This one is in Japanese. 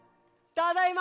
ただいま！